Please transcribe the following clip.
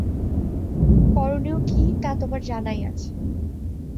করণীয় কী তা তোমার জানাই আছে।